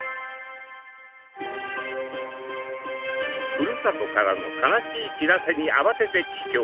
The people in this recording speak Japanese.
ふるさとからの悲しい知らせに慌てて帰郷。